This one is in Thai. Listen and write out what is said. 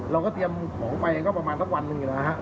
เราก็เตรียมของไปก็ประมาณสักวันหนึ่งนะฮะ